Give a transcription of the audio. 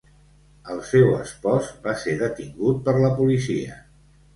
El seu espòs va ser detingut per la policia.